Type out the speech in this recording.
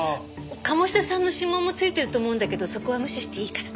鴨志田さんの指紋も付いてると思うんだけどそこは無視していいから。